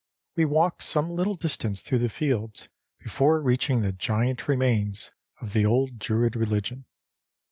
We walked some little distance through the fields before reaching the giant remains of the old Druid religion.